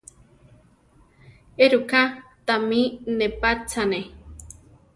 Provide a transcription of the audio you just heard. Éruká tamí nepátzaane?